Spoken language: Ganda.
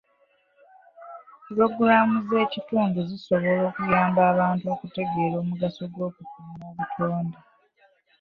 Pulogulaamu z'ekitundu zisobola okuyamba abantu okutegeera omugaso gw'okukuuma obutonde.